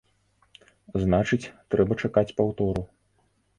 Значыць, трэба чакаць паўтору.